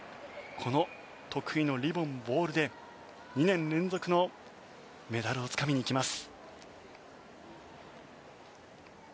この得意のリボン・ボールで２年連続のメダルをつかみにいきます。